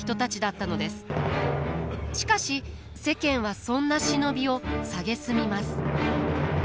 しかし世間はそんな忍びを蔑みます。